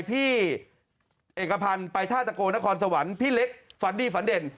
พี่เอกพันธ์ไปท่าตะโกนครสวรรค์พี่เล็กฝันดีฝันเด่น